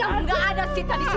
enggak ada sita di sini